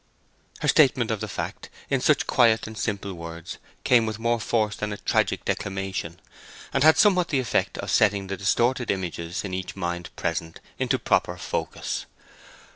Her statement of the fact in such quiet and simple words came with more force than a tragic declamation, and had somewhat the effect of setting the distorted images in each mind present into proper focus.